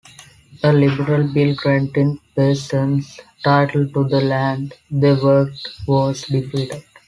A liberal bill granting peasants title to the land they worked was defeated.